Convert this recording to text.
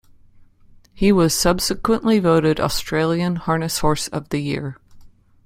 He was subsequently voted Australian Harness Horse of the Year.